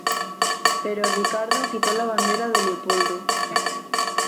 Pero Ricardo quitó la bandera de Leopoldo.